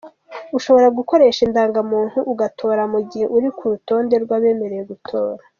Ushobora gukoresha indangamuntu ugatora mu gihe uri ku rutonde rw’abemerewe gutora.